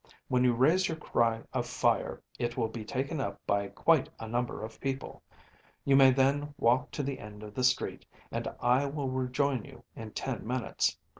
When you raise your cry of fire, it will be taken up by quite a number of people. You may then walk to the end of the street, and I will rejoin you in ten minutes.